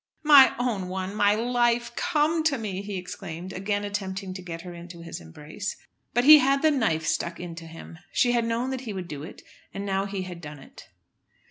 "My own one, my life, come to me!" he exclaimed, again attempting to get her into his embrace. But he had the knife stuck into him. She had known that he would do it, and now he had done it.